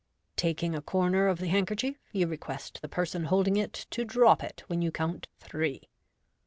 Taking a corner of the handker chief, you request the person holding it to drop it when you count a three."